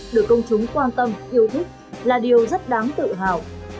được công chúng quan tâm yêu thích là điều rất đáng tự hào